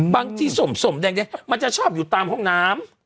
ที่สมแดงมันจะชอบอยู่ตามห้องน้ำ